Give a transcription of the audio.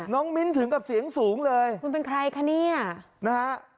มิ้นถึงกับเสียงสูงเลยคุณเป็นใครคะเนี่ยนะฮะ